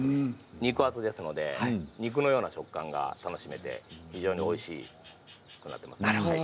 肉厚ですので肉のような食感が楽しめて非常においしくなっています。